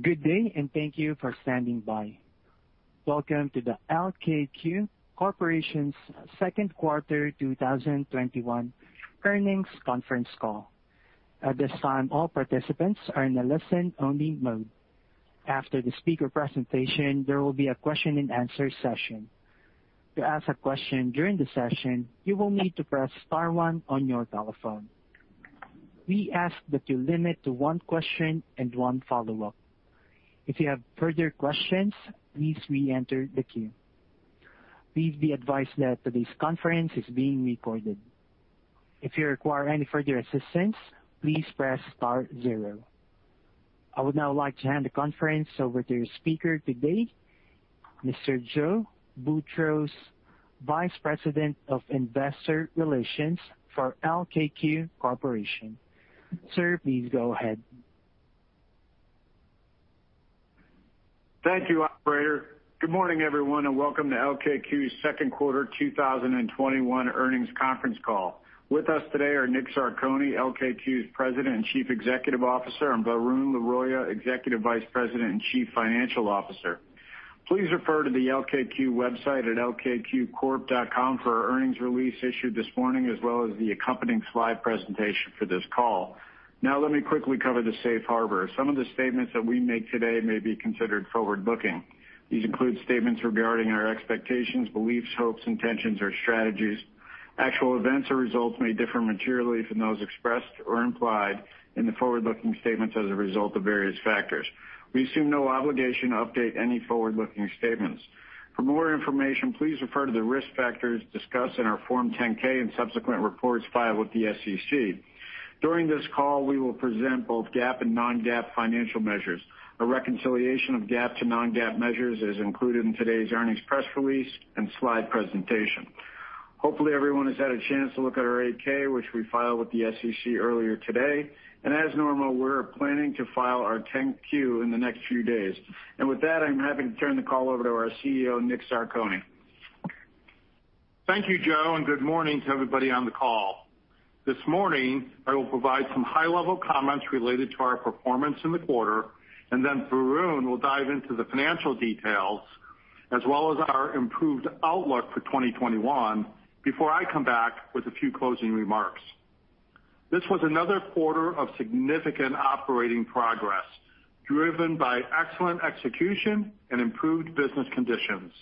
Good day, and thank you for standing by. Welcome to the LKQ Corporation's second quarter 2021 earnings conference call. At this time, all participants are in a listen-only mode. After the speaker presentation, there will be a question-and-answer session. To ask a question during the session, you will need to press star one on your telephone. We ask that you limit to one question and one follow-up. If you have further questions, please re-enter the queue. Please be advised that today's conference is being recorded. If you require any further assistance, please press star zero. I would now like to hand the conference over to your speaker today, Mr. Joe Boutross, Vice President of Investor Relations for LKQ Corporation. Sir, please go ahead. Thank you, operator. Good morning, everyone, welcome to LKQ's second quarter 2021 earnings conference call. With us today are Nick Zarcone, LKQ's President and Chief Executive Officer, and Varun Laroyia, Executive Vice President and Chief Financial Officer. Please refer to the LKQ website at lkqcorp.com for our earnings release issued this morning, as well as the accompanying slide presentation for this call. Let me quickly cover the safe harbor. Some of the statements that we make today may be considered forward-looking. These include statements regarding our expectations, beliefs, hopes, intentions, or strategies. Actual events or results may differ materially from those expressed or implied in the forward-looking statements as a result of various factors. We assume no obligation to update any forward-looking statements. For more information, please refer to the risk factors discussed in our Form 10-K and subsequent reports filed with the SEC. During this call, we will present both GAAP and non-GAAP financial measures. A reconciliation of GAAP to non-GAAP measures is included in today's earnings press release and slide presentation. Hopefully, everyone has had a chance to look at our 8-K, which we filed with the SEC earlier today. As normal, we're planning to file our 10-Q in the next few days. With that, I'm happy to turn the call over to our CEO, Nick Zarcone. Thank you, Joe. Good morning to everybody on the call. This morning, I will provide some high-level comments related to our performance in the quarter. Then Varun will dive into the financial details as well as our improved outlook for 2021 before I come back with a few closing remarks. This was another quarter of significant operating progress driven by excellent execution and improved business conditions.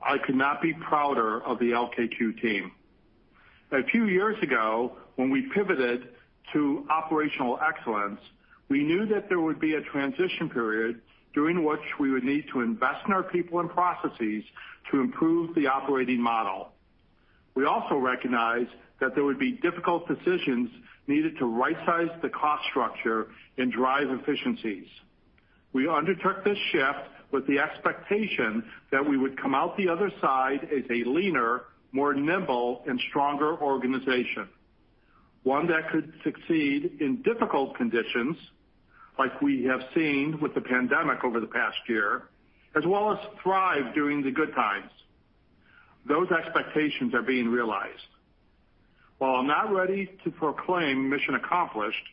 I could not be prouder of the LKQ team. A few years ago, when we pivoted to operational excellence, we knew that there would be a transition period during which we would need to invest in our people and processes to improve the operating model. We also recognized that there would be difficult decisions needed to rightsize the cost structure and drive efficiencies. We undertook this shift with the expectation that we would come out the other side as a leaner, more nimble, and stronger organization. One that could succeed in difficult conditions like we have seen with the pandemic over the past year, as well as thrive during the good times. Those expectations are being realized. While I'm not ready to proclaim mission accomplished,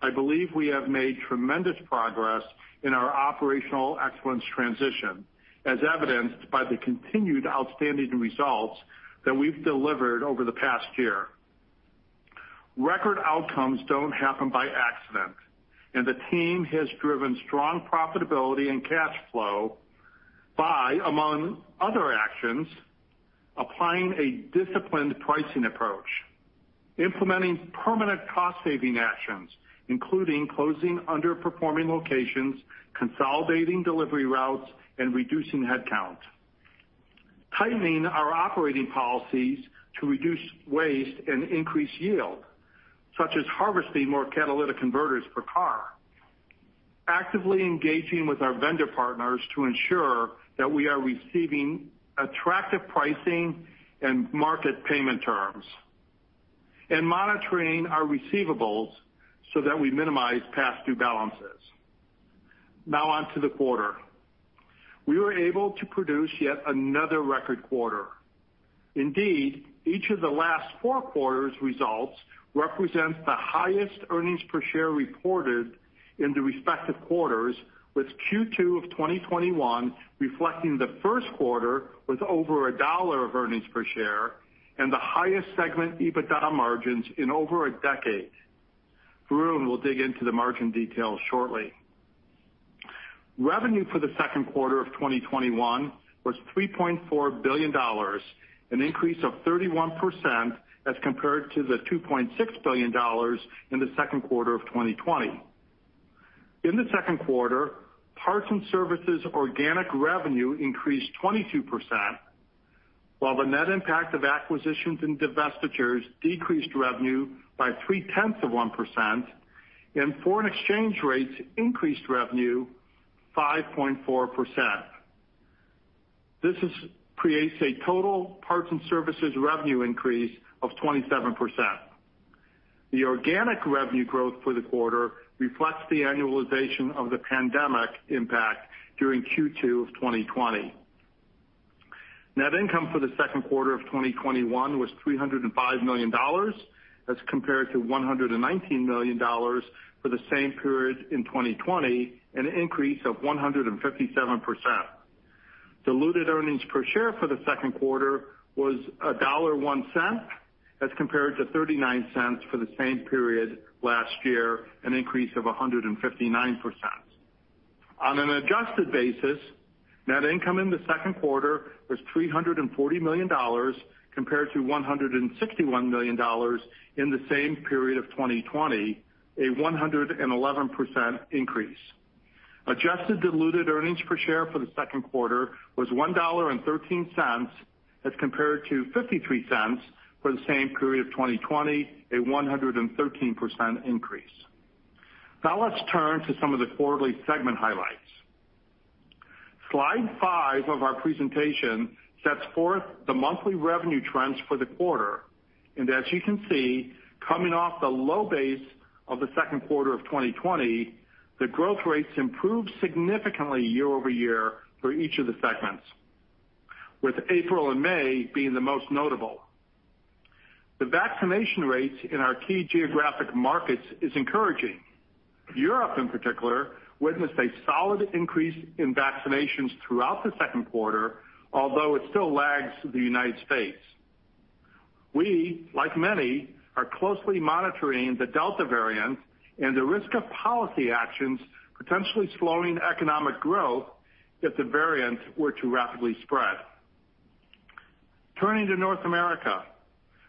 I believe we have made tremendous progress in our operational excellence transition, as evidenced by the continued outstanding results that we've delivered over the past year. Record outcomes don't happen by accident. The team has driven strong profitability and cash flow by, among other actions, applying a disciplined pricing approach, implementing permanent cost-saving actions, including closing underperforming locations, consolidating delivery routes, and reducing headcount, tightening our operating policies to reduce waste and increase yield, such as harvesting more catalytic converters per car. Actively engaging with our vendor partners to ensure that we are receiving attractive pricing and market payment terms. Monitoring our receivables so that we minimize past due balances. Now on to the quarter. We were able to produce yet another record quarter. Indeed, each of the last four quarters' results represents the highest earnings per share reported in the respective quarters, with Q2 of 2021 reflecting the first quarter with over a $1 of earnings per share and the highest segment EBITDA margins in over a decade. Varun will dig into the margin details shortly. Revenue for the second quarter of 2021 was $3.4 billion, an increase of 31% as compared to the $2.6 billion in the second quarter of 2020. In the second quarter, parts and services organic revenue increased 22%, while the net impact of acquisitions and divestitures decreased revenue by 3.1 tenth of 1%, and foreign exchange rates increased revenue 5.4%. This creates a total parts and services revenue increase of 27%. The organic revenue growth for the quarter reflects the annualization of the pandemic impact during Q2 of 2020. Net income for the second quarter of 2021 was $305 million as compared to $119 million for the same period in 2020, an increase of 157%. Diluted earnings per share for the second quarter was $1.01 as compared to $0.39 for the same period last year, an increase of 159%. On an adjusted basis, net income in the second quarter was $340 million compared to $161 million in the same period of 2020, a 111% increase. Adjusted diluted earnings per share for the second quarter was $1.13 as compared to $0.53 for the same period of 2020, a 113% increase. Now let's turn to some of the quarterly segment highlights. Slide five of our presentation sets forth the monthly revenue trends for the quarter. As you can see, coming off the low base of the second quarter of 2020, the growth rates improved significantly year-over-year for each of the segments, with April and May being the most notable. The vaccination rates in our key geographic markets is encouraging. Europe, in particular, witnessed a solid increase in vaccinations throughout the second quarter, although it still lags the United States. We, like many, are closely monitoring the Delta variant and the risk of policy actions potentially slowing economic growth if the variant were to rapidly spread. Turning to North America,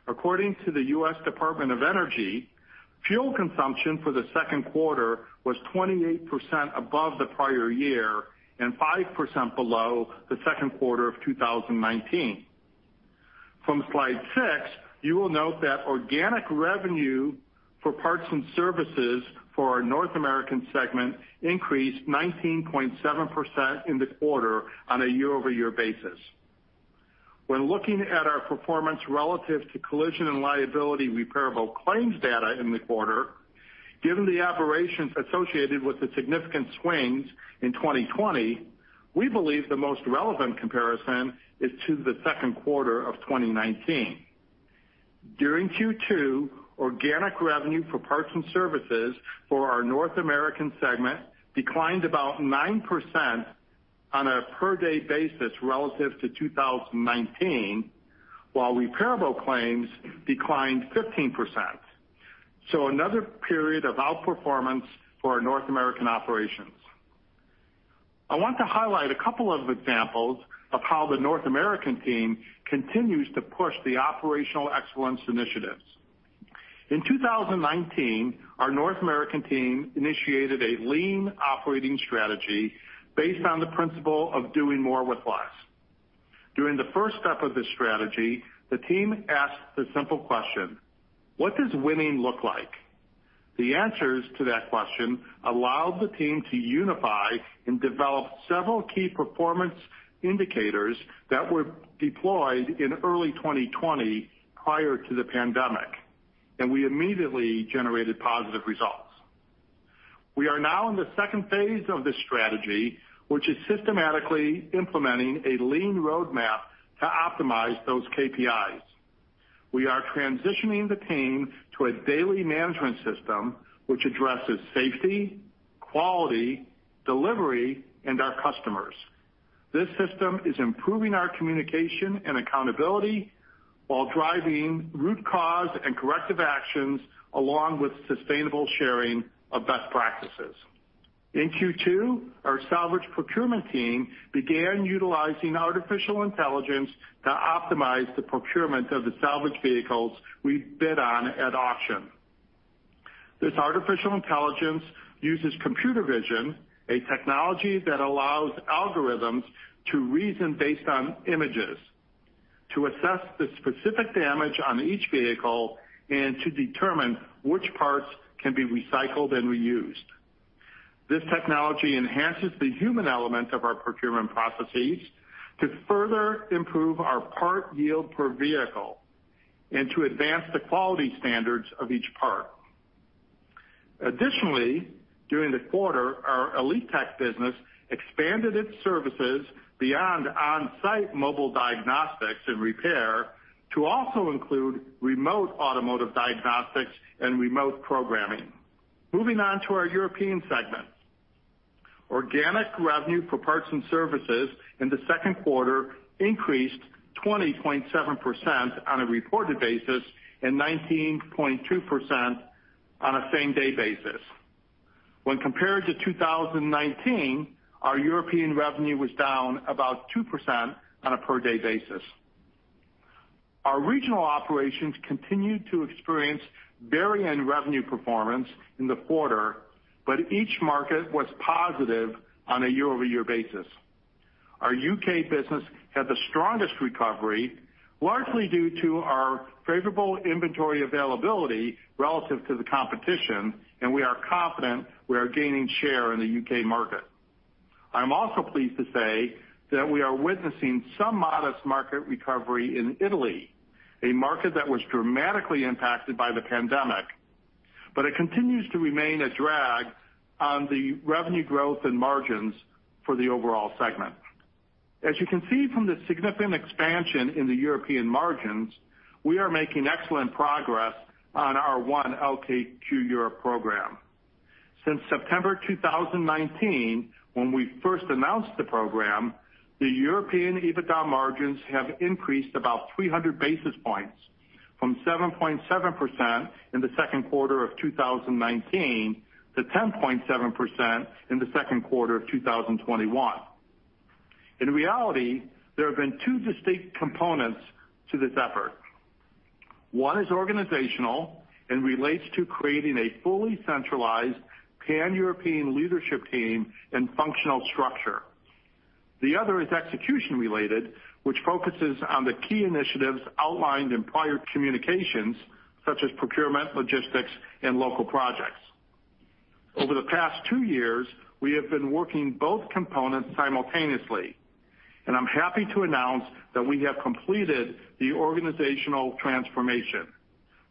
according to the U.S. Department of Energy, fuel consumption for the second quarter was 28% above the prior year and 5% below the second quarter of 2019. From slide six, you will note that organic revenue for parts and services for our North American segment increased 19.7% in the quarter on a year-over-year basis. When looking at our performance relative to collision and liability repairable claims data in the quarter, given the aberrations associated with the significant swings in 2020, we believe the most relevant comparison is to the second quarter of 2019. During Q2, organic revenue for parts and services for our North American segment declined about 9% on a per day basis relative to 2019, while repairable claims declined 15%. Another period of outperformance for our North American operations. I want to highlight a couple of examples of how the North American team continues to push the operational excellence initiatives. In 2019, our North American team initiated a lean operating strategy based on the principle of doing more with less. During the first step of this strategy, the team asked the simple question: what does winning look like? The answers to that question allowed the team to unify and develop several key performance indicators that were deployed in early 2020 prior to the pandemic, and we immediately generated positive results. We are now in the second phase of this strategy, which is systematically implementing a lean roadmap to optimize those KPIs. We are transitioning the team to a daily management system which addresses safety, quality, delivery, and our customers. This system is improving our communication and accountability while driving root cause and corrective actions along with sustainable sharing of best practices. In Q2, our salvage procurement team began utilizing artificial intelligence to optimize the procurement of the salvage vehicles we bid on at auction. This artificial intelligence uses computer vision, a technology that allows algorithms to reason based on images to assess the specific damage on each vehicle and to determine which parts can be recycled and reused. This technology enhances the human element of our procurement processes to further improve our part yield per vehicle and to advance the quality standards of each part. Additionally, during the quarter, our Elitek business expanded its services beyond on-site mobile diagnostics and repair to also include remote automotive diagnostics and remote programming. Moving on to our European segment. Organic revenue for parts and services in the second quarter increased 20.7% on a reported basis and 19.2% on a same-day basis. When compared to 2019, our European revenue was down about 2% on a per-day basis. Our regional operations continued to experience varying revenue performance in the quarter, but each market was positive on a year-over-year basis. Our U.K. business had the strongest recovery, largely due to our favorable inventory availability relative to the competition, and we are confident we are gaining share in the U.K. market. I'm also pleased to say that we are witnessing some modest market recovery in Italy, a market that was dramatically impacted by the pandemic. It continues to remain a drag on the revenue growth and margins for the overall segment. As you can see from the significant expansion in the European margins, we are making excellent progress on our 1 LKQ Europe program. Since September 2019, when we first announced the program, the European EBITDA margins have increased about 300 basis points from 7.7% in the second quarter of 2019 to 10.7% in the second quarter of 2021. In reality, there have been two distinct components to this effort. One is organizational and relates to creating a fully centralized pan-European leadership team and functional structure. The other is execution related, which focuses on the key initiatives outlined in prior communications such as procurement, logistics, and local projects. Over the past two years, we have been working both components simultaneously, and I'm happy to announce that we have completed the organizational transformation.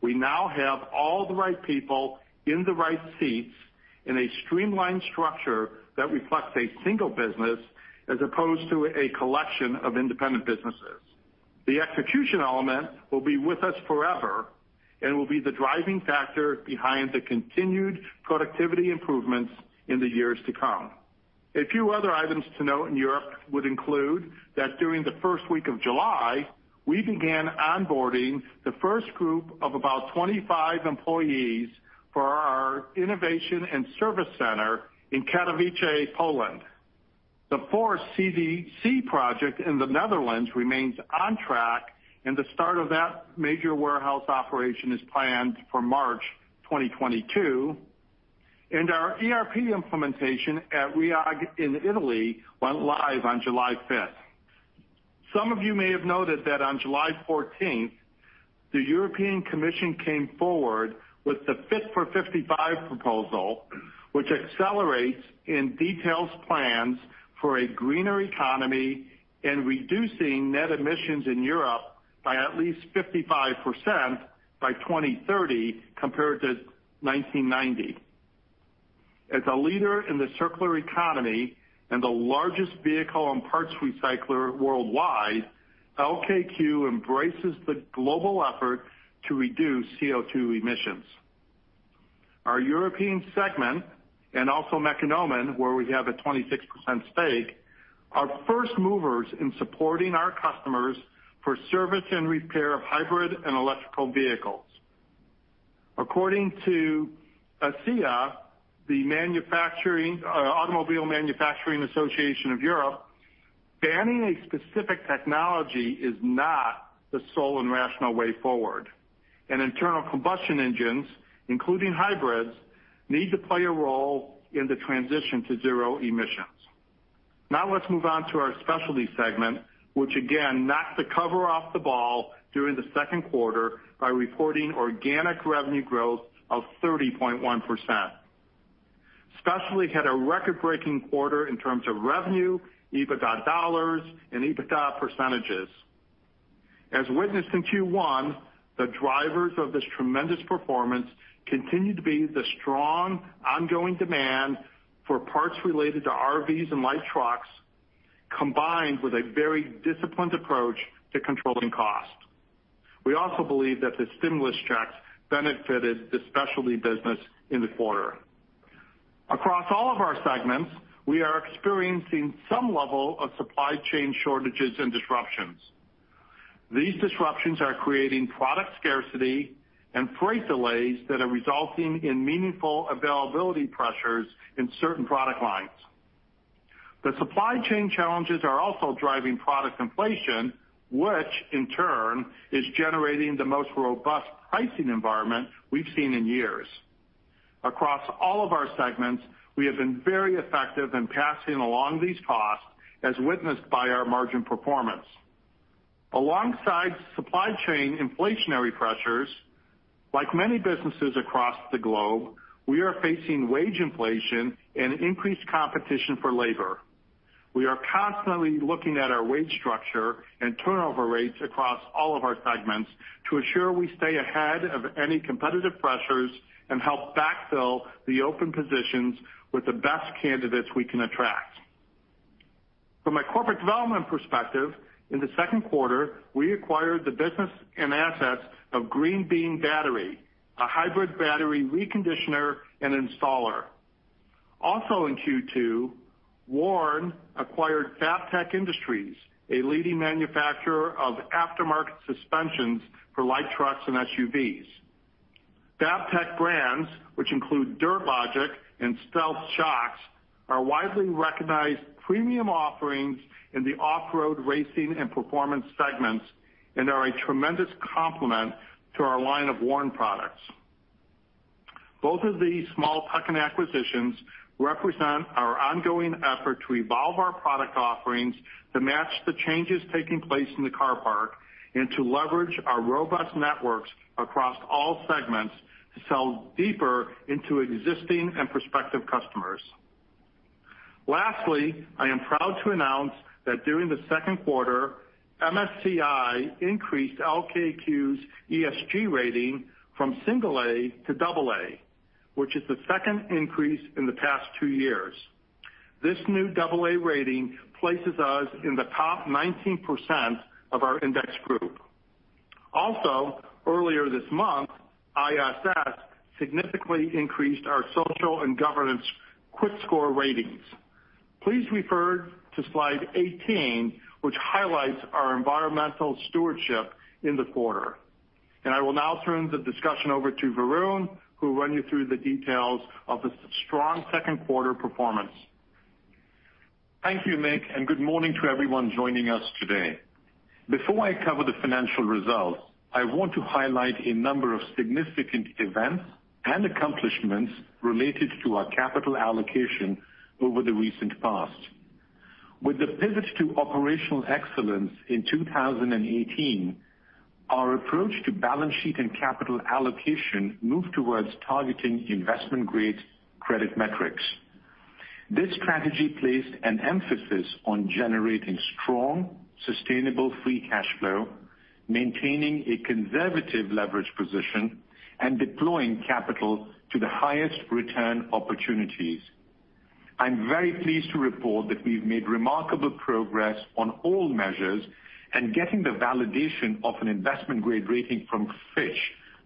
We now have all the right people in the right seats in a streamlined structure that reflects a single business as opposed to a collection of independent businesses. The execution element will be with us forever and will be the driving factor behind the continued productivity improvements in the years to come. A few other items to note in Europe would include that during the first week of July, we began onboarding the first group of about 25 employees for our innovation and service center in Katowice, Poland. The Fource CDC project in the Netherlands remains on track, and the start of that major warehouse operation is planned for March 2022, and our ERP implementation at Rhiag in Italy went live on July 5th. Some of you may have noted that on July 14th, the European Commission came forward with the Fit for 55 proposal, which accelerates and details plans for a greener economy and reducing net emissions in Europe by at least 55% by 2030 compared to 1990. As a leader in the circular economy and the largest vehicle and parts recycler worldwide, LKQ embraces the global effort to reduce CO2 emissions. Our European segment and also Mekonomen, where we have a 26% stake, are first movers in supporting our customers for service and repair of hybrid and electrical vehicles. According to ACEA, the European Automobile Manufacturers' Association, banning a specific technology is not the sole and rational way forward. Internal combustion engines, including hybrids, need to play a role in the transition to zero emissions. Now let's move on to our Specialty segment, which again knocked the cover off the ball during the second quarter by reporting organic revenue growth of 30.1%. Specialty had a record-breaking quarter in terms of revenue, EBITDA dollars, and EBITDA percentages. As witnessed in Q1, the drivers of this tremendous performance continue to be the strong ongoing demand for parts related to RVs and light trucks, combined with a very disciplined approach to controlling costs. We also believe that the stimulus checks benefited the Specialty business in the quarter. Across all of our segments, we are experiencing some level of supply chain shortages and disruptions. These disruptions are creating product scarcity and freight delays that are resulting in meaningful availability pressures in certain product lines. The supply chain challenges are also driving product inflation, which in turn is generating the most robust pricing environment we've seen in years. Across all of our segments, we have been very effective in passing along these costs, as witnessed by our margin performance. Alongside supply chain inflationary pressures, like many businesses across the globe, we are facing wage inflation and increased competition for labor. We are constantly looking at our wage structure and turnover rates across all of our segments to ensure we stay ahead of any competitive pressures and help backfill the open positions with the best candidates we can attract. From a corporate development perspective, in the second quarter, we acquired the business and assets of Green Bean Battery, a hybrid battery reconditioner and installer. Also in Q2, Warn acquired Fabtech Industries, a leading manufacturer of aftermarket suspensions for light trucks and SUVs. Fabtech brands, which include Dirt Logic and Stealth Shocks, are widely recognized premium offerings in the off-road racing and performance segments and are a tremendous complement to our line of Warn products. Both of these small tuck-in acquisitions represent our ongoing effort to evolve our product offerings to match the changes taking place in the car park and to leverage our robust networks across all segments to sell deeper into existing and prospective customers. Lastly, I am proud to announce that during the second quarter, MSCI increased LKQ's ESG rating from A to AA, which is the second increase in the past two years. This new AA rating places us in the top 19% of our index group. Also, earlier this month, ISS significantly increased our social and governance quick score ratings. Please refer to slide 18, which highlights our environmental stewardship in the quarter. I will now turn the discussion over to Varun, who will run you through the details of the strong second quarter performance. Thank you, Nick, and good morning to everyone joining us today. Before I cover the financial results, I want to highlight a number of significant events and accomplishments related to our capital allocation over the recent past. With the pivot to operational excellence in 2018, our approach to balance sheet and capital allocation moved towards targeting investment-grade credit metrics. This strategy placed an emphasis on generating strong, sustainable free cash flow, maintaining a conservative leverage position, and deploying capital to the highest return opportunities. I'm very pleased to report that we've made remarkable progress on all measures, and getting the validation of an investment-grade rating from Fitch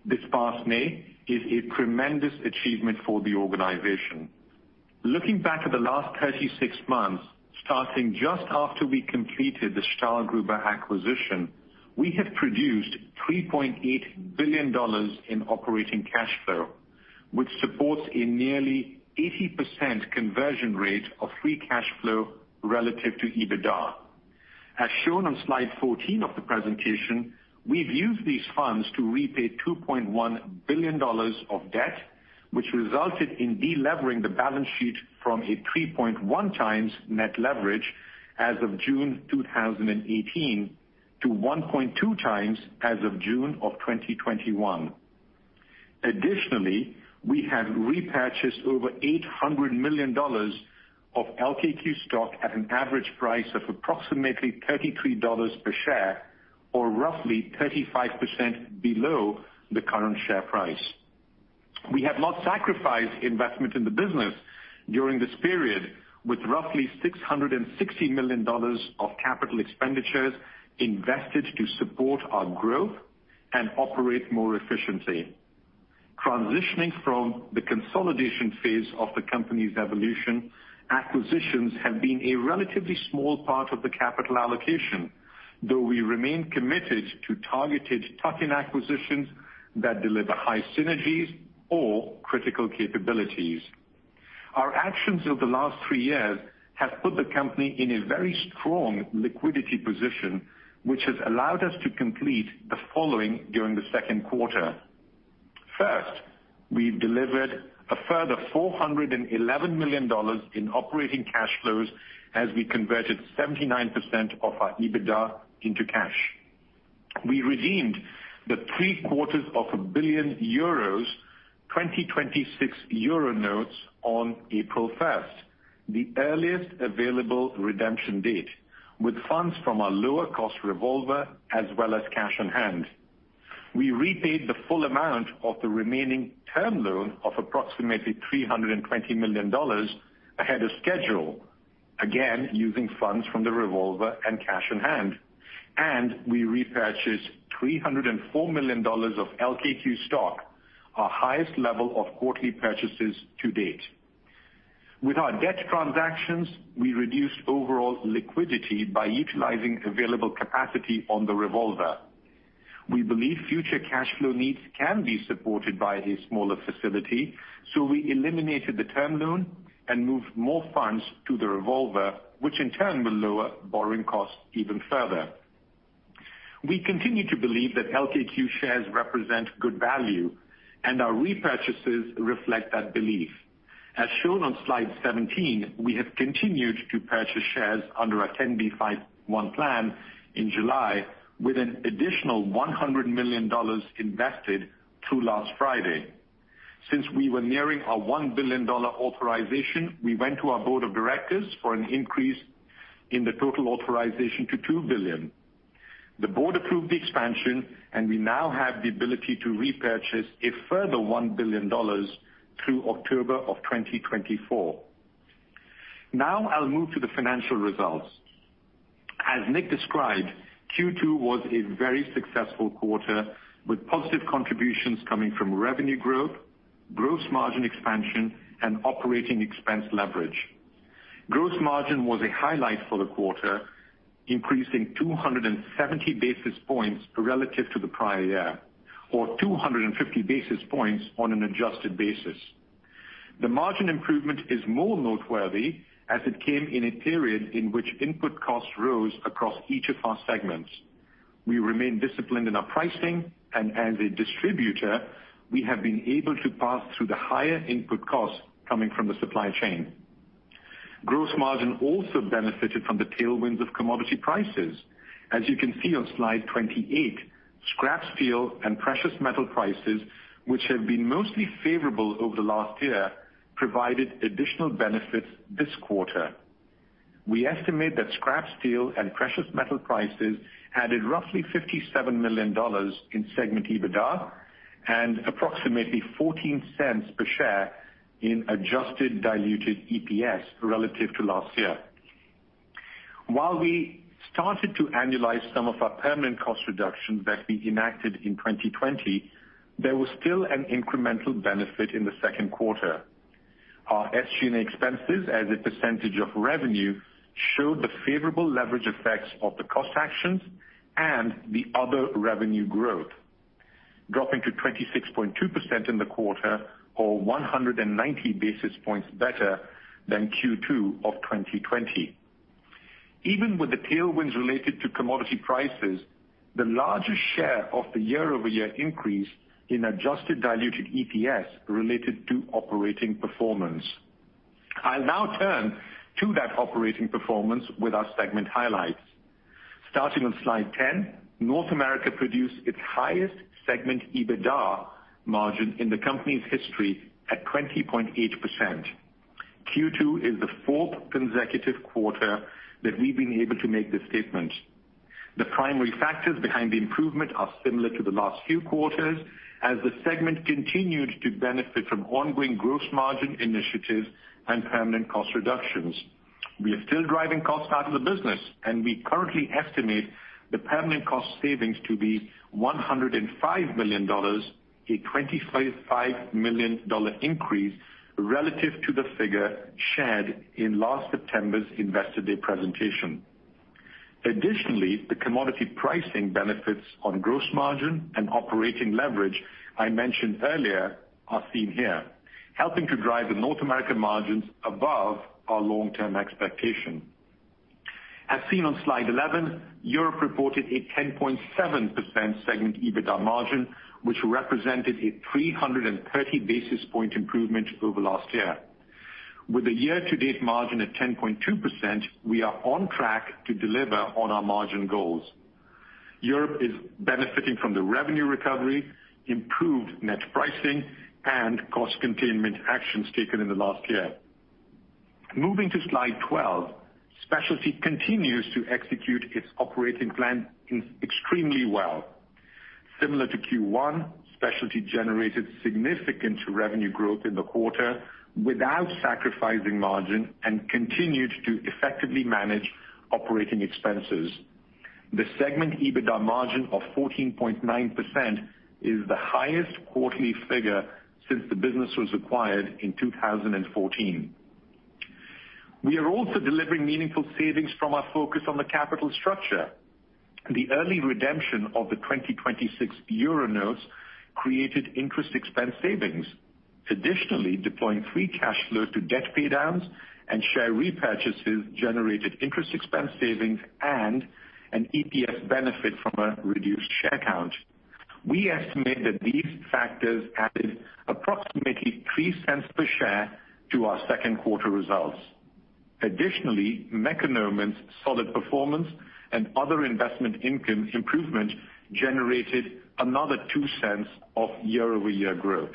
this past May is a tremendous achievement for the organization. Looking back at the last 36 months, starting just after we completed the Stahlgruber acquisition, we have produced $3.8 billion in operating cash flow, which supports a nearly 80% conversion rate of free cash flow relative to EBITDA. As shown on slide 14 of the presentation, we've used these funds to repay $2.1 billion of debt, which resulted in de-levering the balance sheet from a 3.1x net leverage as of June 2018 to 1.2x as of June of 2021. Additionally, we have repurchased over $800 million of LKQ stock at an average price of approximately $33 per share, or roughly 35% below the current share price. We have not sacrificed investment in the business during this period, with roughly $660 million of capital expenditures invested to support our growth and operate more efficiently. Transitioning from the consolidation phase of the company's evolution, acquisitions have been a relatively small part of the capital allocation, though we remain committed to targeted tuck-in acquisitions that deliver high synergies or critical capabilities. Our actions over the last three years have put the company in a very strong liquidity position, which has allowed us to complete the following during the second quarter. First, we've delivered a further $411 million in operating cash flows as we converted 79% of our EBITDA into cash. We redeemed the three quarters of a billion euros 2026 euro notes on April 1st, the earliest available redemption date, with funds from our lower cost revolver as well as cash on hand. We repaid the full amount of the remaining term loan of approximately $320 million ahead of schedule, again, using funds from the revolver and cash on hand. We repurchased $304 million of LKQ stock, our highest level of quarterly purchases to date. With our debt transactions, we reduced overall liquidity by utilizing available capacity on the revolver. We believe future cash flow needs can be supported by a smaller facility, so we eliminated the term loan and moved more funds to the revolver, which in turn will lower borrowing costs even further. We continue to believe that LKQ shares represent good value, and our repurchases reflect that belief. As shown on slide 17, we have continued to purchase shares under our 10b5-1 plan in July, with an additional $100 million invested through last Friday. Since we were nearing our $1 billion authorization, we went to our Board of Directors for an increase in the total authorization to $2 billion. The board approved the expansion, we now have the ability to repurchase a further $1 billion through October of 2024. Now I'll move to the financial results. As Nick described, Q2 was a very successful quarter with positive contributions coming from revenue growth, gross margin expansion, and operating expense leverage. Gross margin was a highlight for the quarter, increasing 270 basis points relative to the prior year, or 250 basis points on an adjusted basis. The margin improvement is more noteworthy as it came in a period in which input costs rose across each of our segments. We remain disciplined in our pricing, and as a distributor, we have been able to pass through the higher input costs coming from the supply chain. Gross margin also benefited from the tailwinds of commodity prices. As you can see on slide 28, scrap steel and precious metal prices, which have been mostly favorable over the last year, provided additional benefits this quarter. We estimate that scrap steel and precious metal prices added roughly $57 million in segment EBITDA and approximately $0.14 per share in adjusted diluted EPS relative to last year. While we started to annualize some of our permanent cost reductions that we enacted in 2020, there was still an incremental benefit in the second quarter. Our SG&A expenses as a percentage of revenue showed the favorable leverage effects of the cost actions and the other revenue growth, dropping to 26.2% in the quarter or 190 basis points better than Q2 of 2020. Even with the tailwinds related to commodity prices, the largest share of the year-over-year increase in adjusted diluted EPS related to operating performance. I'll now turn to that operating performance with our segment highlights. Starting on slide 10, North America produced its highest segment EBITDA margin in the company's history at 20.8%. Q2 is the fourth consecutive quarter that we've been able to make this statement. The primary factors behind the improvement are similar to the last few quarters, as the segment continued to benefit from ongoing gross margin initiatives and permanent cost reductions. We are still driving costs out of the business, and we currently estimate the permanent cost savings to be $105 million, a $255 million increase relative to the figure shared in last September Investor Day presentation. Additionally, the commodity pricing benefits on gross margin and operating leverage I mentioned earlier are seen here, helping to drive the North American margins above our long-term expectation. As seen on slide 11, Europe reported a 10.7% segment EBITDA margin, which represented a 330 basis point improvement over last year. With a year-to-date margin of 10.2%, we are on track to deliver on our margin goals. Europe is benefiting from the revenue recovery, improved net pricing, and cost containment actions taken in the last year. Moving to slide 12, Specialty continues to execute its operating plan extremely well. Similar to Q1, Specialty generated significant revenue growth in the quarter without sacrificing margin and continued to effectively manage operating expenses. The segment EBITDA margin of 14.9% is the highest quarterly figure since the business was acquired in 2014. We are also delivering meaningful savings from our focus on the capital structure. The early redemption of the 2026 euro notes created interest expense savings. Additionally, deploying free cash flow to debt paydowns and share repurchases generated interest expense savings and an EPS benefit from a reduced share count. We estimate that these factors added approximately $0.03 per share to our second quarter results. Additionally, Mekonomen's solid performance and other investment income improvement generated another $0.02 of year-over-year growth.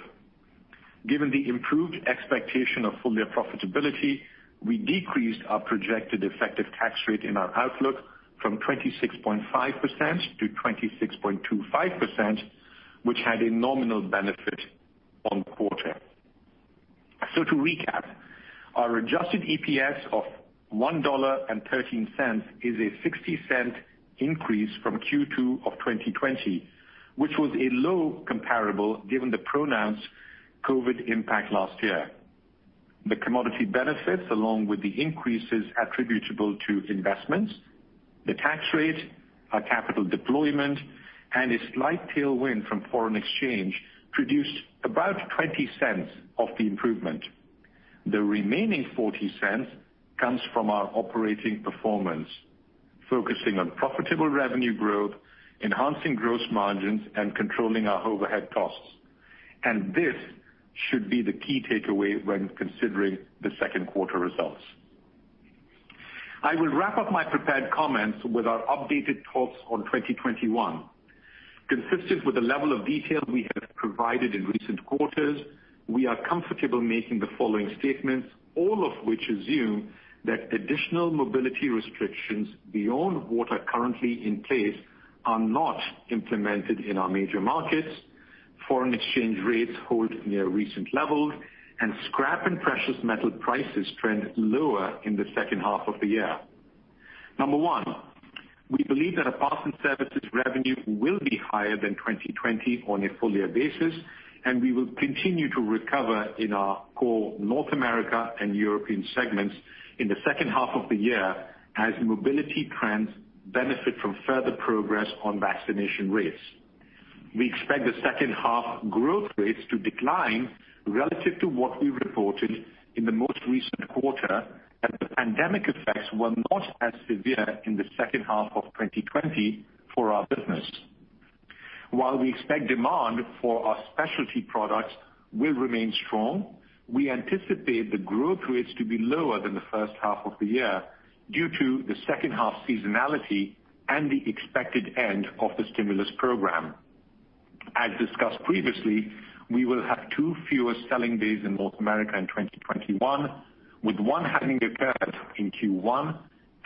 Given the improved expectation of full-year profitability, we decreased our projected effective tax rate in our outlook from 26.5% to 26.25%, which had a nominal benefit on quarter. To recap, our adjusted EPS of $1.13 is a $0.60 increase from Q2 of 2020, which was a low comparable given the pronounced COVID impact last year. The commodity benefits, along with the increases attributable to investments, the tax rate, our capital deployment, and a slight tailwind from foreign exchange, produced about $0.20 of the improvement. The remaining $0.40 comes from our operating performance, focusing on profitable revenue growth, enhancing gross margins, and controlling our overhead costs. This should be the key takeaway when considering the second quarter results. I will wrap up my prepared comments with our updated thoughts on 2021. Consistent with the level of detail we have provided in recent quarters, we are comfortable making the following statements, all of which assume that additional mobility restrictions beyond what are currently in place are not implemented in our major markets, foreign exchange rates hold near recent levels, and scrap and precious metal prices trend lower in the second half of the year. Number one, we believe that our parts and services revenue will be higher than 2020 on a full-year basis, and we will continue to recover in our core North America and European segments in the second half of the year as mobility trends benefit from further progress on vaccination rates. We expect the second half growth rates to decline relative to what we reported in the most recent quarter, as the pandemic effects were not as severe in the second half of 2020 for our business. While we expect demand for our specialty products will remain strong, we anticipate the growth rates to be lower than the first half of the year due to the second half seasonality and the expected end of the stimulus program. As discussed previously, we will have two fewer selling days in North America in 2021, with one having occurred in Q1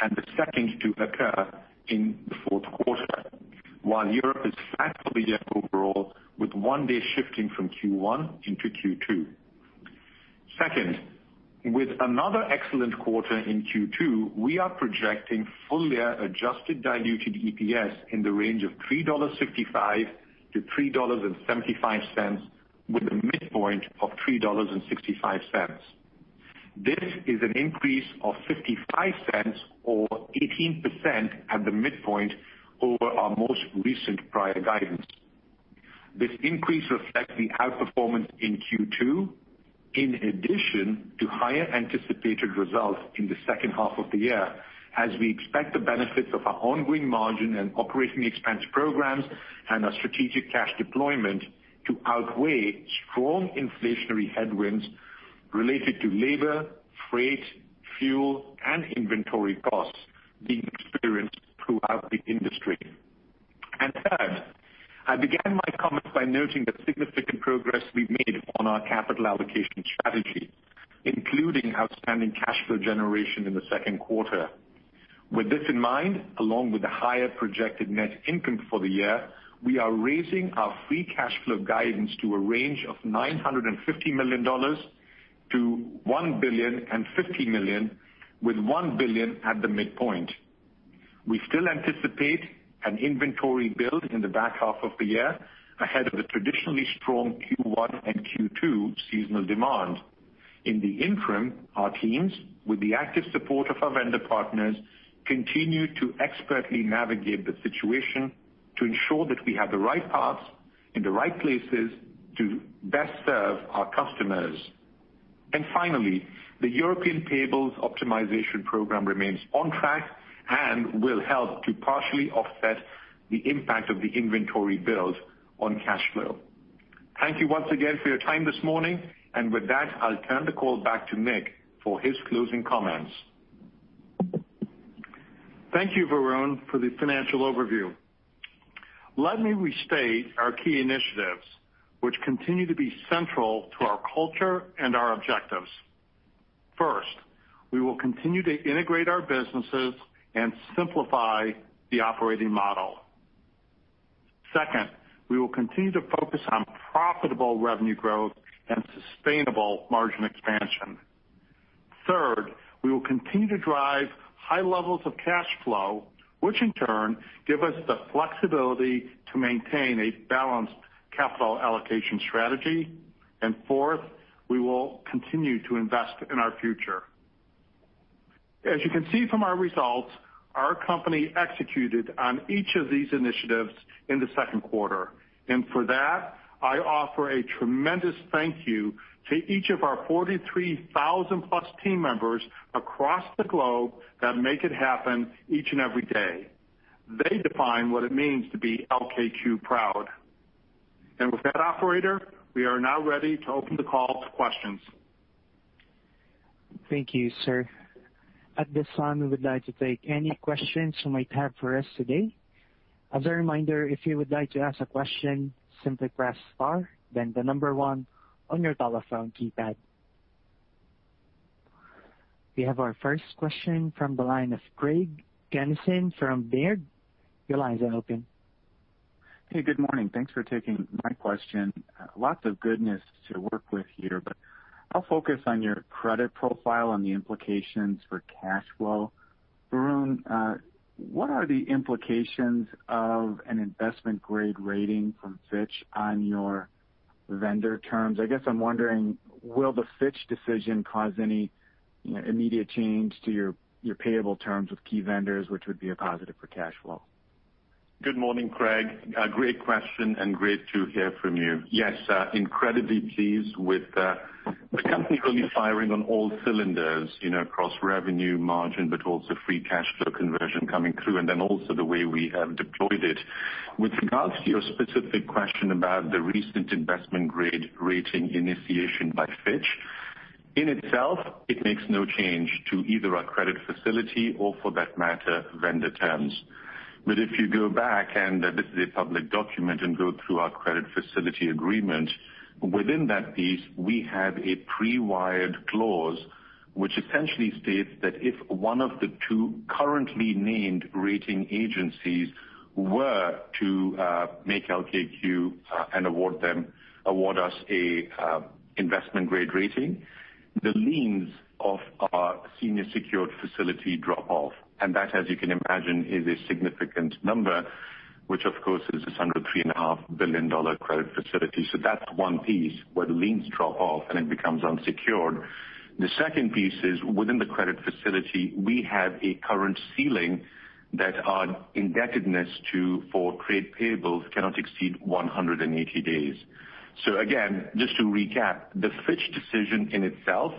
and the second to occur in the fourth quarter. While Europe is flat for the year overall, with one day shifting from Q1 into Q2. Second, with another excellent quarter in Q2, we are projecting full-year adjusted diluted EPS in the range of $3.65-$3.75, with a midpoint of $3.65. This is an increase of $0.55 or 18% at the midpoint over our most recent prior guidance. This increase reflects the outperformance in Q2 in addition to higher anticipated results in the second half of the year, as we expect the benefits of our ongoing margin and operating expense programs and our strategic cash deployment to outweigh strong inflationary headwinds related to labor, freight, fuel, and inventory costs being experienced throughout the industry. Third, I began my comments by noting the significant progress we've made on our capital allocation strategy, including outstanding cash flow generation in the second quarter. With this in mind, along with the higher projected net income for the year, we are raising our free cash flow guidance to a range of $950 million-$1.05 billion, with $1 billion at the midpoint. We still anticipate an inventory build in the back half of the year ahead of the traditionally strong Q1 and Q2 seasonal demand. In the interim, our teams, with the active support of our vendor partners, continue to expertly navigate the situation to ensure that we have the right parts in the right places to best serve our customers. Finally, the European Payables Optimization Program remains on track and will help to partially offset the impact of the inventory build on cash flow. Thank you once again for your time this morning. With that, I'll turn the call back to Nick for his closing comments. Thank you, Varun, for the financial overview. Let me restate our key initiatives, which continue to be central to our culture and our objectives. First, we will continue to integrate our businesses and simplify the operating model. Second, we will continue to focus on profitable revenue growth and sustainable margin expansion. Third, we will continue to drive high levels of cash flow, which in turn give us the flexibility to maintain a balanced capital allocation strategy. Fourth, we will continue to invest in our future. As you can see from our results, our company executed on each of these initiatives in the second quarter. For that, I offer a tremendous thank you to each of our 43,000+ team members across the globe that make it happen each and every day. They define what it means to be LKQ Proud. With that operator, we are now ready to open the call to questions. Thank you, sir. At this time, we would like to take any questions you might have for us today. As a reminder, if you would like to ask a question, simply press star, then the number one on your telephone keypad. We have our first question from the line of Craig Kennison from Baird. Your line is open. Hey, good morning. Thanks for taking my question. Lots of goodness to work with here, but I'll focus on your credit profile and the implications for cash flow. Varun, what are the implications of an investment grade rating from Fitch on your vendor terms? I guess I'm wondering, will the Fitch decision cause any immediate change to your payable terms with key vendors, which would be a positive for cash flow? Good morning, Craig. A great question and great to hear from you. Yes, incredibly pleased with the company really firing on all cylinders, across revenue margin, also free cash flow conversion coming through, also the way we have deployed it. With regards to your specific question about the recent investment grade rating initiation by Fitch, in itself, it makes no change to either our credit facility or for that matter, vendor terms. If you go back, this is a public document, go through our credit facility agreement, within that piece, we have a pre-wired clause, which essentially states that if one of the two currently named rating agencies were to make LKQ and award us an investment-grade rating, the liens of our senior secured facility drop off. That, as you can imagine, is a significant number, which of course is this $103.5 billion credit facility. That's one piece, where the liens drop off and it becomes unsecured. The second piece is within the credit facility, we have a current ceiling that our indebtedness for trade payables cannot exceed 180 days. Again, just to recap, the Fitch decision in itself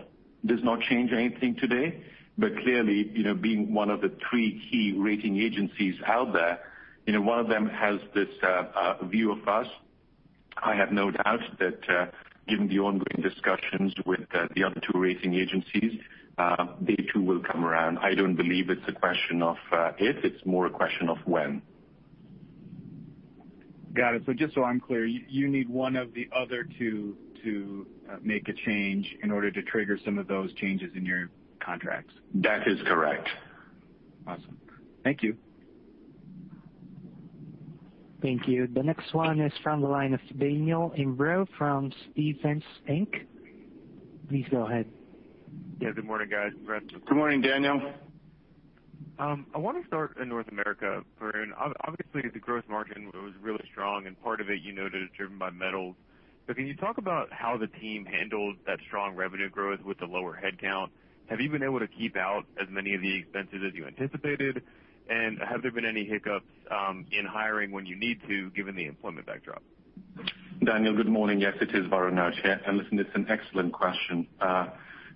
does not change anything today. Clearly, being one of the three key rating agencies out there, one of them has this view of us. I have no doubt that given the ongoing discussions with the other two rating agencies, they too will come around. I don't believe it's a question of if, it's more a question of when. Got it. Just so I'm clear, you need one of the other two to make a change in order to trigger some of those changes in your contracts? That is correct. Awesome. Thank you. Thank you. The next one is from the line of Daniel Imbro from Stephens Inc.. Please go ahead. Yeah. Good morning, guys. Varun. Good morning, Daniel. I want to start in North America, Varun. Obviously, the gross margin was really strong and part of it you noted is driven by metals. Can you talk about how the team handled that strong revenue growth with the lower headcount? Have you been able to keep out as many of the expenses as you anticipated? Have there been any hiccups in hiring when you need to, given the employment backdrop? Daniel, good morning. Yes, it is Varun Laroyia here. Listen, it's an excellent question.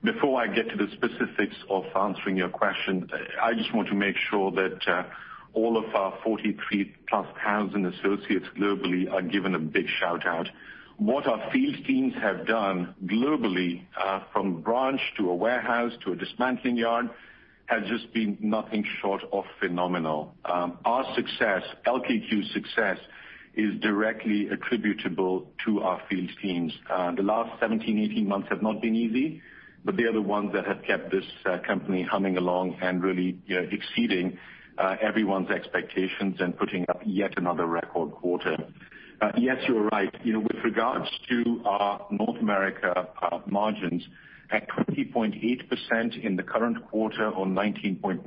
Before I get to the specifics of answering your question, I just want to make sure that all of our 43,000+ associates globally are given a big shout-out. What our field teams have done globally from branch to a warehouse to a dismantling yard has just been nothing short of phenomenal. Our success, LKQ's success, is directly attributable to our field teams. The last 17-18 months have not been easy, they are the ones that have kept this company humming along and really exceeding everyone's expectations and putting up yet another record quarter. Yes, you're right. With regards to our North America margins at 20.8% in the current quarter or 19.9%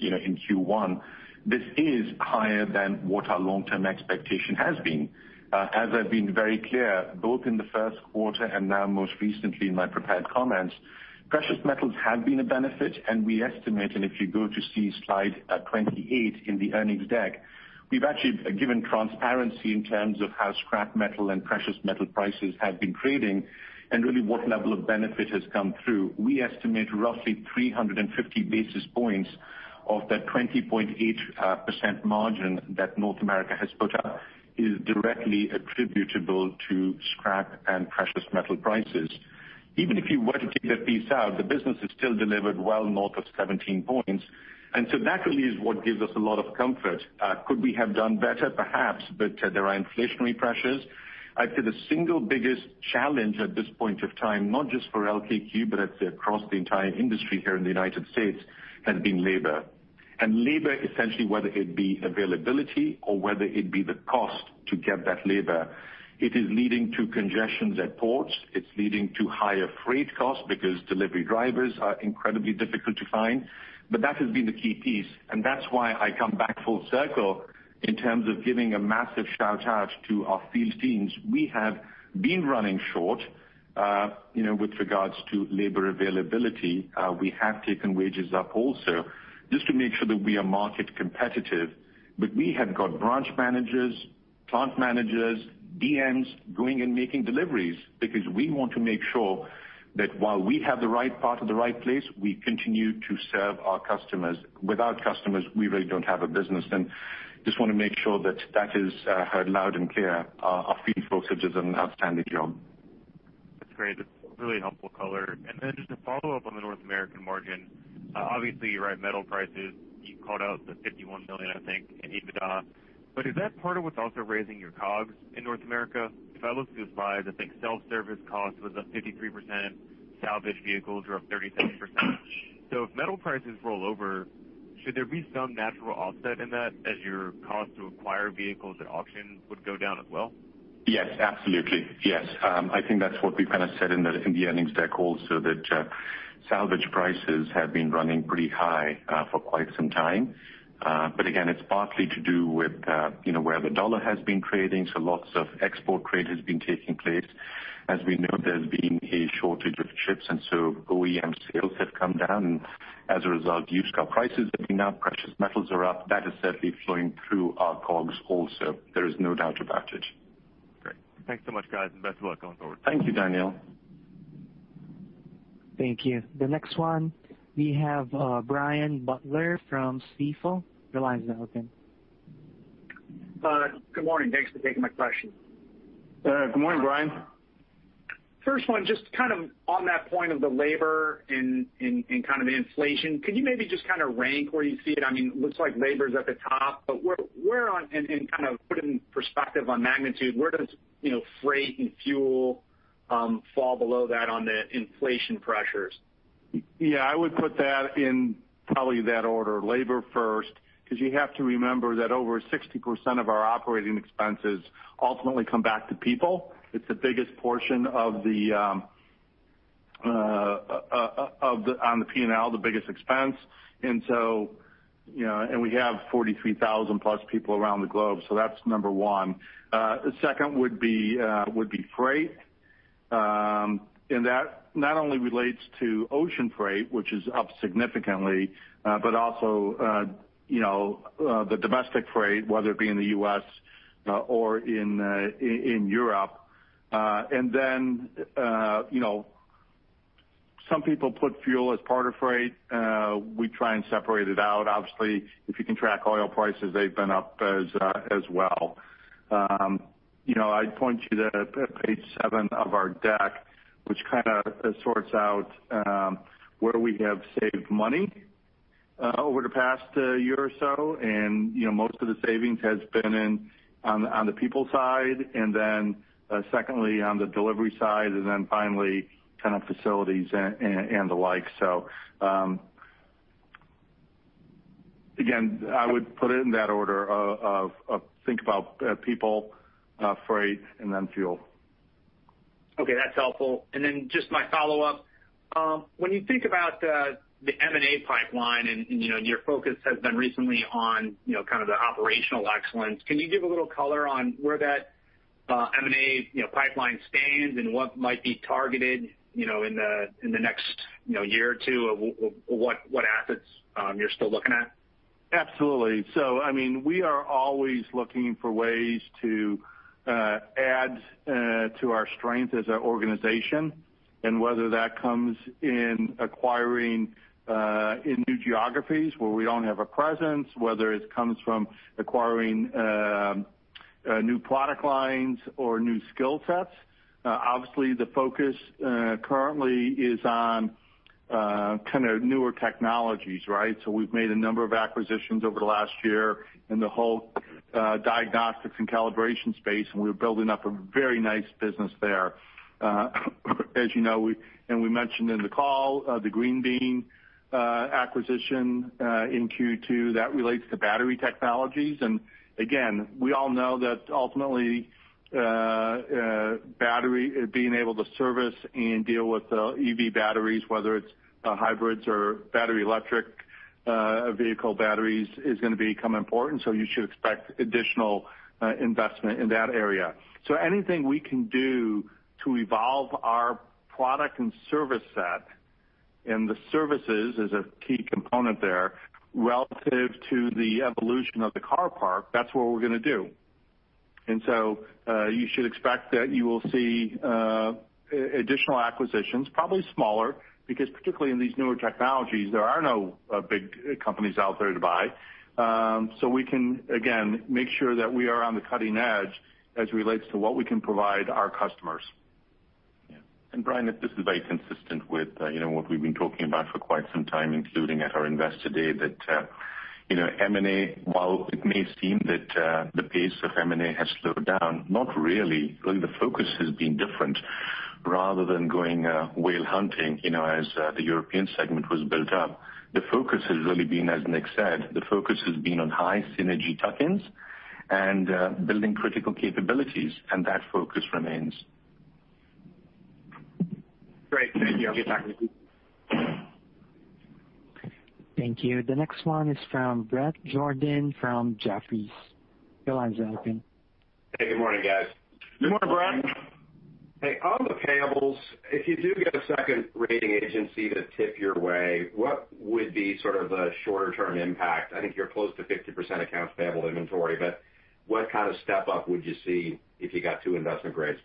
in Q1, this is higher than what our long-term expectation has been. As I've been very clear, both in the 1st quarter and now most recently in my prepared comments, precious metals have been a benefit, and we estimate, and if you go to see slide 28 in the earnings deck, we've actually given transparency in terms of how scrap metal and precious metal prices have been trading and really what level of benefit has come through. We estimate roughly 350 basis points of that 20.8% margin that North America has put up is directly attributable to scrap and precious metal prices. Even if you were to take that piece out, the business has still delivered well north of 17 points, and so that really is what gives us a lot of comfort. Could we have done better? Perhaps, but there are inflationary pressures. I'd say the single biggest challenge at this point of time, not just for LKQ, but I'd say across the entire industry here in the United States, has been labor. Labor, essentially, whether it be availability or whether it be the cost to get that labor, it is leading to congestions at ports. It's leading to higher freight costs because delivery drivers are incredibly difficult to find. That has been the key piece, and that's why I come back full circle in terms of giving a massive shout-out to our field teams. We have been running short with regards to labor availability. We have taken wages up also just to make sure that we are market competitive. We have got branch managers, plant managers, DMs, going and making deliveries because we want to make sure that while we have the right part at the right place, we continue to serve our customers. Without customers, we really don't have a business. We just want to make sure that that is heard loud and clear. Our field folks are just doing an outstanding job. That's great. That's a really helpful color. Then just a follow-up on the North American margin. Obviously, you're right, metal prices, you called out the $51 million, I think, in EBITDA. Is that part of what's also raising your COGS in North America? If I look at the slide, I think self-service cost was up 53%. Salvaged vehicles are up 37%. If metal prices roll over, should there be some natural offset in that as your cost to acquire vehicles at auction would go down as well? Yes, absolutely. Yes. I think that's what we kind of said in the earnings deck also that salvage prices have been running pretty high for quite some time. Again, it's partly to do with where the dollar has been trading, so lots of export trade has been taking place. As we know, there's been a shortage of ships, and so OEM sales have come down. As a result, used car prices have been up, precious metals are up. That is certainly flowing through our COGS also. There is no doubt about it. Great. Thanks so much, guys, and best of luck going forward. Thank you, Daniel. Thank you. The next one we have Brian Butler from Stifel. Your line is open. Good morning. Thanks for taking my question. Good morning, Brian. First one, just kind of on that point of the labor and kind of the inflation, could you maybe just kind of rank where you see it? It looks like labor is at the top, but where, and kind of put it in perspective on magnitude, where does freight and fuel fall below that on the inflation pressures? Yeah, I would put that in probably that order. Labor first, because you have to remember that over 60% of our operating expenses ultimately come back to people. It's the biggest portion on the P&L, the biggest expense. We have 43,000+ people around the globe, so that's number one. Second would be freight. That not only relates to ocean freight, which is up significantly but also the domestic freight, whether it be in the U.S. or in Europe. Then some people put fuel as part of freight. We try and separate it out. Obviously, if you can track oil prices, they've been up as well. I'd point you to page seven of our deck, which kind of sorts out where we have saved money over the past year or so, and most of the savings has been on the people side, and then secondly, on the delivery side, and then finally, kind of facilities and the like. Again, I would put it in that order of think about people, freight, and then fuel. Okay, that's helpful. Then just my follow-up. When you think about the M&A pipeline and your focus has been recently on kind of the operational excellence, can you give a little color on where that M&A pipeline stands and what might be targeted in the next one or two years, or what assets you're still looking at? Absolutely. We are always looking for ways to add to our strength as an organization, and whether that comes in acquiring in new geographies where we don't have a presence, whether it comes from acquiring new product lines or new skill sets. Obviously, the focus currently is on kind of newer technologies, right? We've made a number of acquisitions over the last year in the whole diagnostics and calibration space, and we're building up a very nice business there. As you know, and we mentioned in the call, the Green Bean acquisition in Q2, that relates to battery technologies. Again, we all know that ultimately, battery, being able to service and deal with EV batteries, whether it's hybrids or battery electric vehicle batteries, is going to become important. You should expect additional investment in that area. Anything we can do to evolve our product and service set, and the services is a key component there, relative to the evolution of the car park, that's what we're going to do. You should expect that you will see additional acquisitions, probably smaller, because particularly in these newer technologies, there are no big companies out there to buy. We can, again, make sure that we are on the cutting edge as it relates to what we can provide our customers. Yeah. Brian, this is very consistent with what we've been talking about for quite some time, including at our Investor Day that M&A, while it may seem that the pace of M&A has slowed down, not really. Really, the focus has been different. Rather than going whale hunting as the European segment was built up, the focus has really been, as Nick said, the focus has been on high synergy tuck-ins and building critical capabilities, and that focus remains. Great. Thank you. I'll give back to you. Thank you. The next one is from Bret Jordan from Jefferies. Go on, Bret. Hey, good morning, guys. Good morning, Bret. Hey, on the payables, if you do get a second rating agency to tip your way, what would be sort of the shorter-term impact? I think you're close to 50% accounts payable inventory, but what kind of step up would you see if you got two investment grades?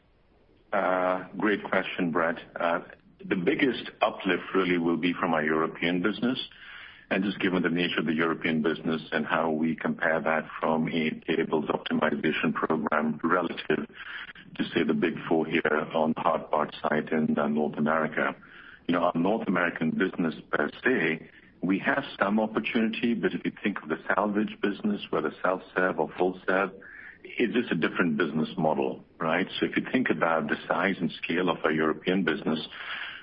Great question, Bret. The biggest uplift really will be from our European business, and just given the nature of the European business and how we compare that from a payables optimization program relative to, say, the big four here on the hard parts side in North America. Our North American business per se, we have some opportunity, but if you think of the salvage business, whether self-serve or full serve, it's just a different business model, right? If you think about the size and scale of our European business,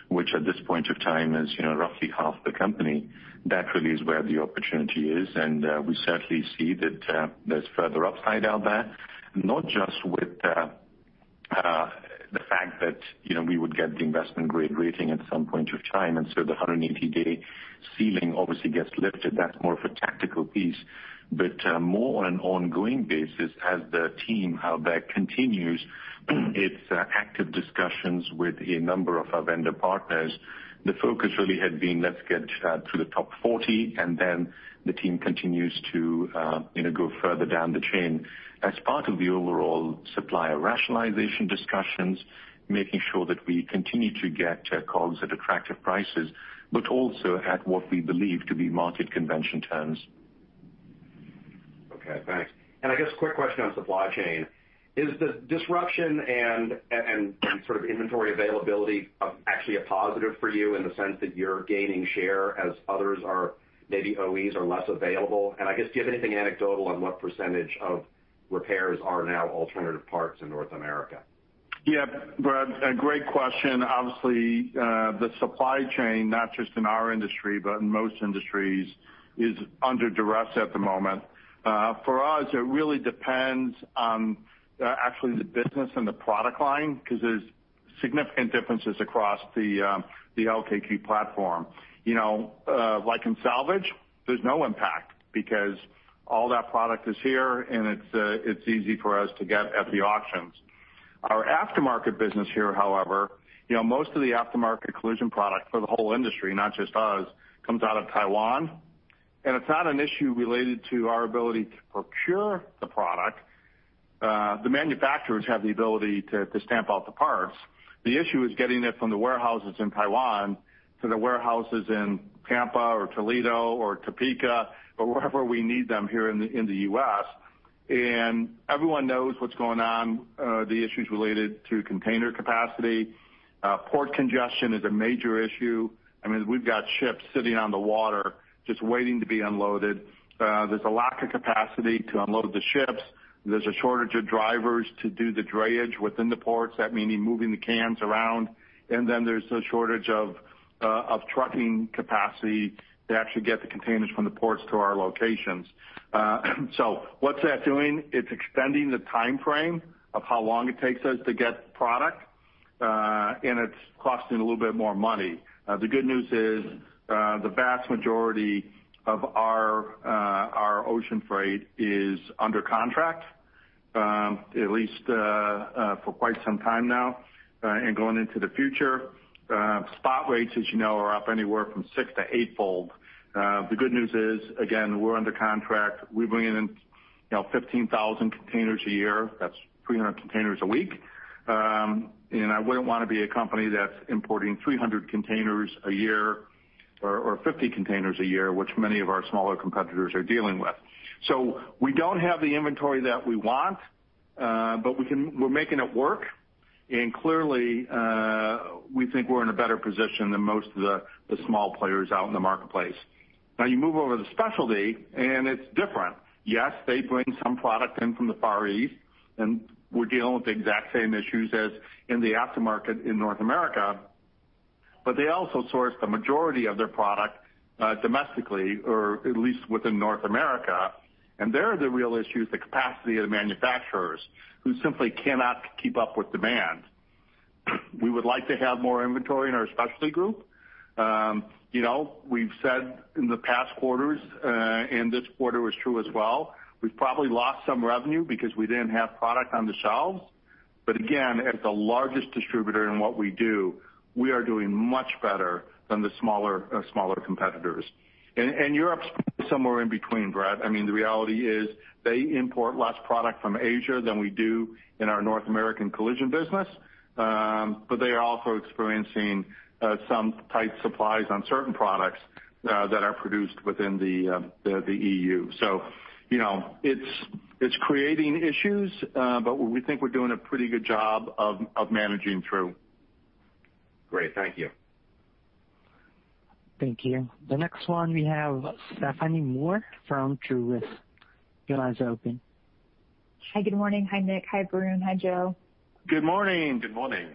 which at this point of time is roughly half the company, that really is where the opportunity is. We certainly see that there's further upside out there, not just with the fact that we would get the investment-grade rating at some point of time, and so the 180-day ceiling obviously gets lifted. That's more of a tactical piece. More on an ongoing basis as the team out there continues its active discussions with a number of our vendor partners, the focus really had been, let's get to the top 40, and then the team continues to go further down the chain as part of the overall supplier rationalization discussions, making sure that we continue to get COGS at attractive prices, but also at what we believe to be market convention terms. Okay, thanks. I guess quick question on supply chain. Is the disruption and sort of inventory availability actually a positive for you in the sense that you're gaining share as others are maybe OEs are less available? I guess, do you have anything anecdotal on what percentage of repairs are now alternative parts in North America? Yeah, Bret, a great question. Obviously, the supply chain, not just in our industry, but in most industries, is under duress at the moment. For us, it really depends on actually the business and the product line, because there's significant differences across the LKQ platform. Like in salvage, there's no impact because all that product is here, and it's easy for us to get at the auctions. Our aftermarket business here, however, most of the aftermarket collision product for the whole industry, not just us, comes out of Taiwan, and it's not an issue related to our ability to procure the product. The manufacturers have the ability to stamp out the parts. The issue is getting it from the warehouses in Taiwan to the warehouses in Tampa or Toledo or Topeka or wherever we need them here in the U.S.. Everyone knows what's going on, the issues related to container capacity. Port congestion is a major issue. We've got ships sitting on the water just waiting to be unloaded. There's a lack of capacity to unload the ships. There's a shortage of drivers to do the drayage within the ports, that meaning moving the cans around. Then there's a shortage of trucking capacity to actually get the containers from the ports to our locations. What's that doing? It's extending the timeframe of how long it takes us to get product, and it's costing a little bit more money. The good news is, the vast majority of our ocean freight is under contract, at least for quite some time now and going into the future. Spot rates, as you know, are up anywhere from six to eight-fold. The good news is, again, we're under contract. We bring in 15,000 containers a year. That's 300 containers a week. I wouldn't want to be a company that's importing 300 containers a year or 50 containers a year, which many of our smaller competitors are dealing with. We don't have the inventory that we want, but we're making it work. Clearly, we think we're in a better position than most of the small players out in the marketplace. You move over to specialty, and it's different. Yes, they bring some product in from the Far East, and we're dealing with the exact same issues as in the aftermarket in North America. They also source the majority of their product domestically or at least within North America. There, the real issue is the capacity of the manufacturers, who simply cannot keep up with demand. We would like to have more inventory in our specialty group. We've said in the past quarters, and this quarter was true as well, we've probably lost some revenue because we didn't have product on the shelves. Again, as the largest distributor in what we do, we are doing much better than the smaller competitors. Europe's somewhere in between, Bret. The reality is they import less product from Asia than we do in our North American collision business. They are also experiencing some tight supplies on certain products that are produced within the EU. It's creating issues, but we think we're doing a pretty good job of managing through. Great. Thank you. Thank you. The next one we have Stephanie Moore from Truist. Your line's open. Hi, good morning. Hi, Nick. Hi, Varun. Hi, Joe. Good morning. Good morning.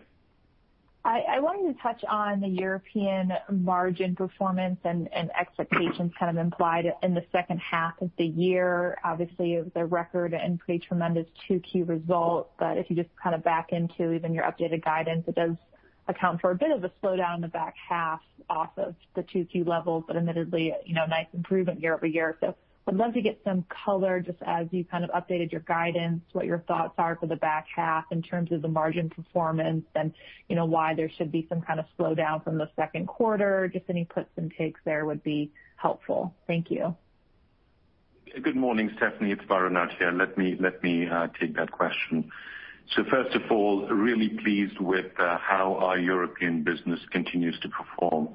I want you to touch on the European margin performance and expectations kind of implied in the second half of the year, obviously, of the record and pretty tremendous 2Q result. If you just kind of back into even your updated guidance, it does account for a bit of a slowdown in the back half off of the 2Q levels. Admittedly, a nice improvement year-over-year. I'd love to get some color just as you kind of updated your guidance, what your thoughts are for the back half in terms of the margin performance and why there should be some kind of slowdown from the second quarter. Just any puts and takes there would be helpful. Thank you. Good morning, Stephanie. It's Varun Laroyia. Let me take that question. First of all, really pleased with how our European business continues to perform.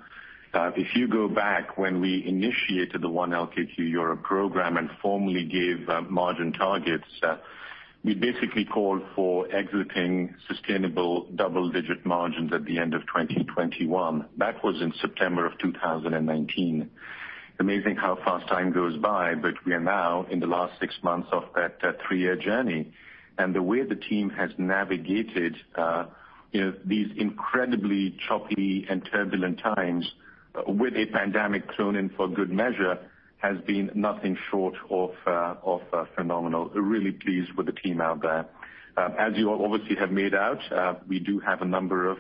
If you go back when we initiated the 1 LKQ Europe program and formally gave margin targets, we basically called for exiting sustainable double-digit margins at the end of 2021. That was in September of 2019. Amazing how fast time goes by, but we are now in the last six months of that three-year journey. The way the team has navigated these incredibly choppy and turbulent times with a pandemic thrown in for good measure, has been nothing short of phenomenal. Really pleased with the team out there. As you obviously have made out, we do have a number of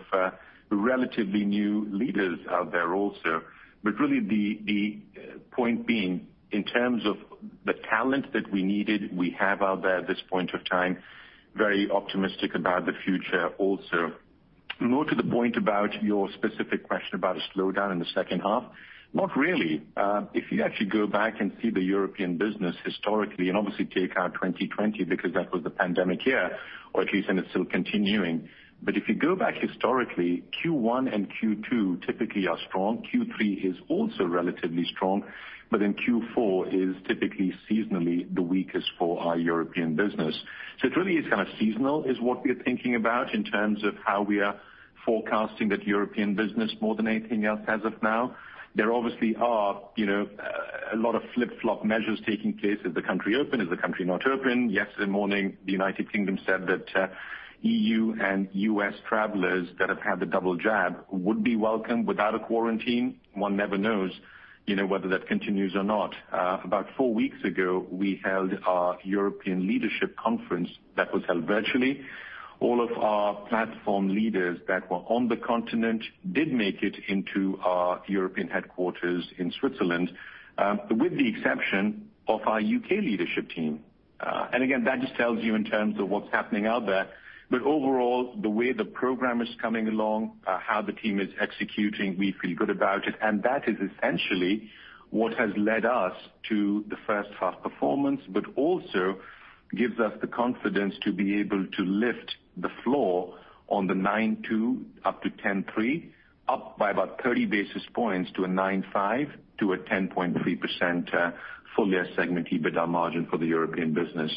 relatively new leaders out there also. Really the point being, in terms of the talent that we needed, we have out there at this point of time, very optimistic about the future also. More to the point about your specific question about a slowdown in the second half, not really. If you actually go back and see the European business historically, and obviously take out 2020 because that was the pandemic year, or at least, and it's still continuing. If you go back historically, Q1 and Q2 typically are strong. Q3 is also relatively strong, but then Q4 is typically seasonally the weakest for our European business. It really is kind of seasonal is what we're thinking about in terms of how we are forecasting that European business more than anything else as of now. There obviously are a lot of flip-flop measures taking place. Is the country open? Is the country not open? Yesterday morning, the United Kingdom said that EU and U.S. travelers that have had the double jab would be welcome without a quarantine. One never knows whether that continues or not. About four weeks ago, we held our European leadership conference that was held virtually. All of our platform leaders that were on the continent did make it into our European headquarters in Switzerland, with the exception of our U.K. leadership team. Again, that just tells you in terms of what's happening out there. Overall, the way the program is coming along, how the team is executing, we feel good about it, and that is essentially what has led us to the first half performance, but also gives us the confidence to be able to lift the floor on the 9.2 up to 10.3, up by about 30 basis points to a 9.5%-10.3% full-year segment EBITDA margin for the European business.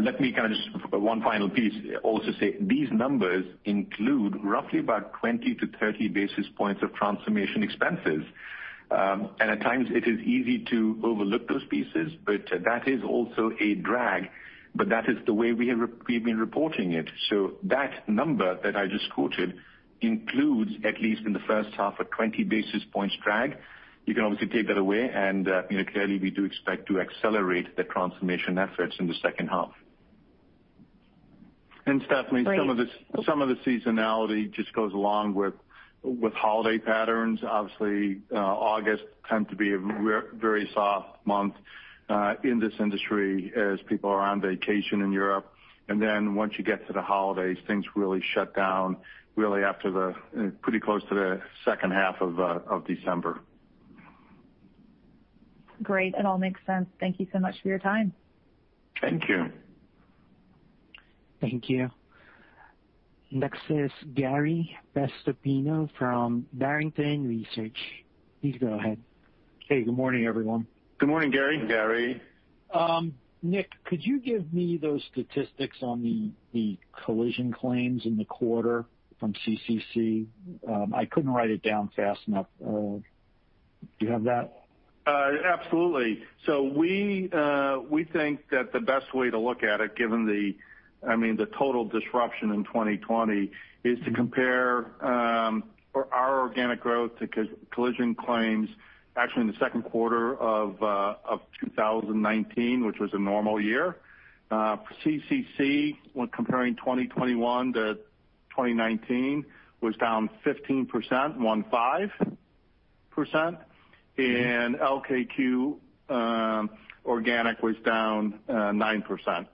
Let me kind of just, one final piece, also say these numbers include roughly about 20-30 basis points of transformation expenses. At times it is easy to overlook those pieces, but that is also a drag, but that is the way we've been reporting it. That number that I just quoted includes, at least in the first half, a 20 basis points drag. You can obviously take that away, and clearly we do expect to accelerate the transformation efforts in the second half. Stephanie. Great. Some of the seasonality just goes along with holiday patterns. Obviously, August tends to be a very soft month, in this industry as people are on vacation in Europe. Once you get to the holidays, things really shut down really pretty close to the second half of December. Great. It all makes sense. Thank you so much for your time. Thank you. Thank you. Next is Gary Prestopino from Barrington Research. Please go ahead. Hey, good morning, everyone. Good morning, Gary. Gary. Nick, could you give me those statistics on the collision claims in the quarter from CCC? I couldn't write it down fast enough. Do you have that? Absolutely. We think that the best way to look at it, given the total disruption in 2020, is to compare our organic growth to collision claims actually in the second quarter of 2019, which was a normal year. CCC, when comparing 2021 to 2019, was down 15%, and LKQ organic was down 9%.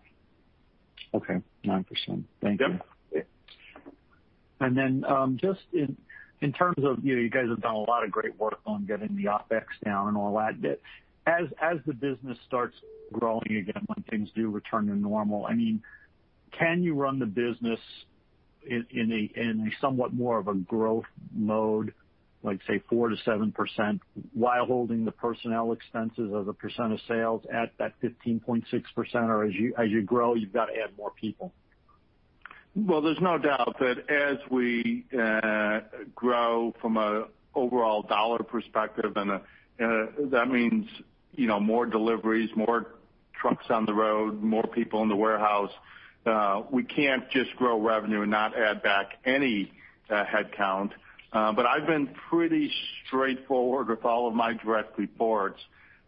Okay, 9%. Thank you. Yep. Just in terms of, you guys have done a lot of great work on getting the OpEx down and all that. As the business starts growing again, when things do return to normal, can you run the business in a somewhat more of a growth mode, like say 4%-7%, while holding the personnel expenses as a percent of sales at that 15.6%? As you grow, you've got to add more people? Well, there's no doubt that as we grow from an overall dollar perspective and that means more deliveries, more trucks on the road, more people in the warehouse. We can't just grow revenue and not add back any headcount. I've been pretty straightforward with all of my direct reports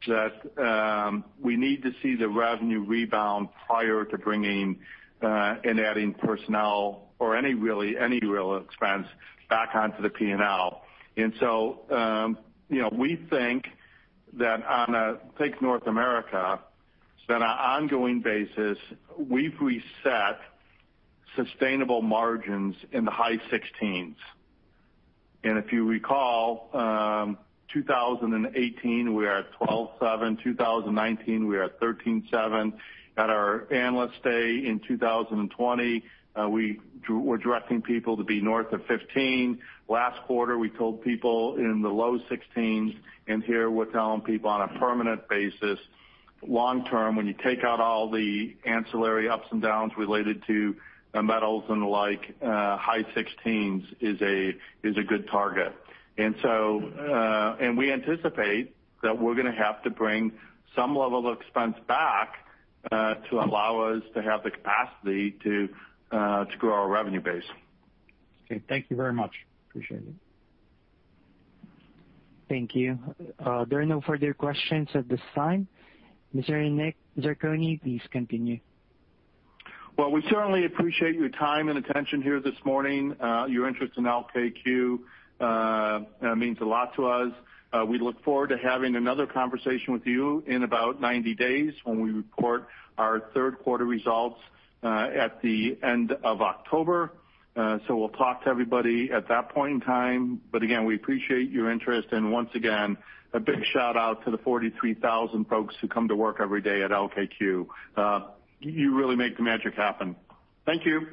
that we need to see the revenue rebound prior to bringing and adding personnel or any real expense back onto the P&L. We think that on a, take North America, it's been an ongoing basis. We've reset sustainable margins in the high 16s. If you recall, 2018, we are at 12.7%. 2019, we are at 13.7%. At our Analyst Day in 2020, we're directing people to be north of 15%. Last quarter, we told people in the low 16s, and here we're telling people on a permanent basis, long term, when you take out all the ancillary ups and downs related to metals and the like, high 16s is a good target. We anticipate that we're going to have to bring some level of expense back, to allow us to have the capacity to grow our revenue base. Okay. Thank you very much. Appreciate it. Thank you. There are no further questions at this time. Mr. Nick Zarcone, please continue. We certainly appreciate your time and attention here this morning. Your interest in LKQ means a lot to us. We look forward to having another conversation with you in about 90 days when we report our third quarter results at the end of October. We'll talk to everybody at that point in time. Again, we appreciate your interest. Once again, a big shout-out to the 43,000 folks who come to work every day at LKQ. You really make the magic happen. Thank you.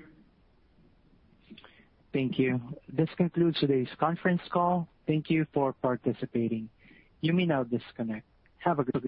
Thank you. This concludes today's conference call. Thank you for participating. You may now disconnect. Have a good day.